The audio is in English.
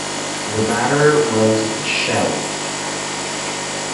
The matter was shelved.